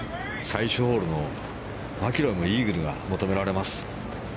最終ホールのマキロイもイーグルが求められます。